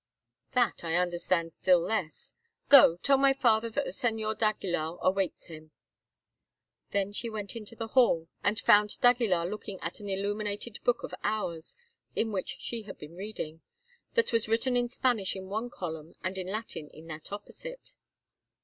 "That I understand still less. Go, tell my father that the Señor d'Aguilar awaits him." Then she went into the hall, and found d'Aguilar looking at an illuminated Book of Hours in which she had been reading, that was written in Spanish in one column and in Latin in that opposite.